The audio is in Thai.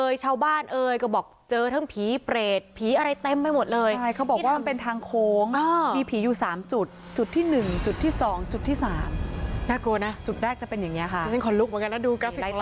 อย่างนี้ค่ะได้ตามแบบนี้ค่ะนี่